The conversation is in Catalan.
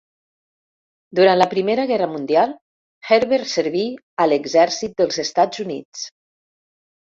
Durant la primera Guerra Mundial, Herbert serví a l'exèrcit dels Estats Units.